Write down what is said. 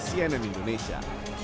tim liputan cnn indonesia